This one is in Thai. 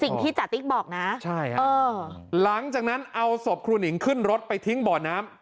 สิ่งที่จติ๊กบอกนะหลังจากนั้นเอาศพครูหนิงขึ้นรถไปทิ้งบ่อน้ำ